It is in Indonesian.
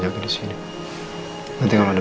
kayak apa mbak andin bernah sekali hingga sekarang